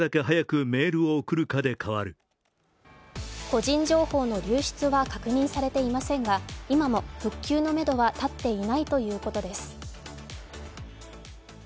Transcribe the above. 個人情報の流出は確認されていませんが、今も復旧のめどは立っていないということです。